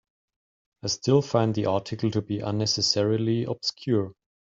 I still find the article to be unnecessarily obscure.